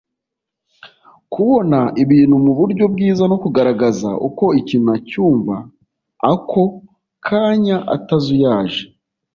kubona ibintu mu buryo bwiza no kugaragaza uko ikintu acyumva ako kanya atazuyaje